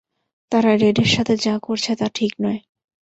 তারা রেডের সাথে যা করছে তা ঠিক নয়।